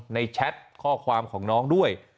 แชทข้อความของน้องด้วย